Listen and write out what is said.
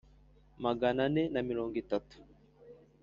magana ane na mirongo itatu